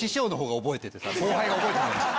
後輩が覚えてないんだ。